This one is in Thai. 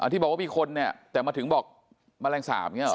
ที่บอกว่ามีคนแต่มาถึงบอกแมลงสาปนี่หรือ